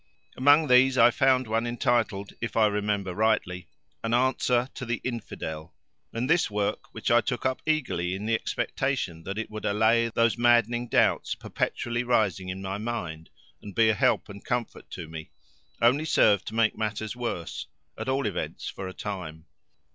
Among these I found one entitled, if I remember rightly, An Answer to the Infidel, and this work, which I took up eagerly in the expectation that it would allay those maddening doubts perpetually rising in my mind and be a help and comfort to me, only served to make matters worse, at all events for a time.